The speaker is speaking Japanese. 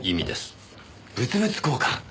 物々交換。